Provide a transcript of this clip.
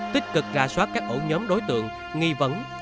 tích cực ra soát các ổ nhóm đối tượng nghi vấn